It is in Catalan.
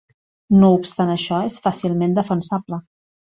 No obstant això, és fàcilment defensable.